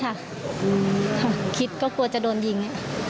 คิดค่ะคิดก็กลัวจะโดนยิง